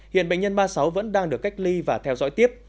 hiện bệnh nhân ba mươi sáu vẫn đang được cách ly và theo dõi tiếp